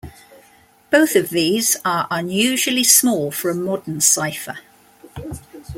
Both of these are unusually small for a modern cipher.